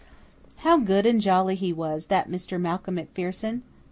How good and jolly he was, that Mr. Malcolm MacPherson!